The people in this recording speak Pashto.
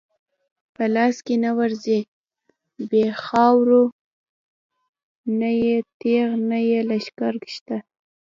په لاس نه ورځی بی خاورو، نه یی تیغ نه یی لښکر شته